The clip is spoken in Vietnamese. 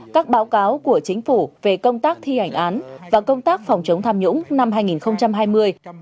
các báo cáo của chính phủ về công tác thi hành án và công tác phòng chống tham nhũng năm hai nghìn hai mươi